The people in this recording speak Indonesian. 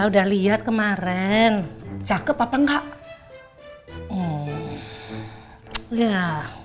eh ternyata calonnya si selfie itu udah tua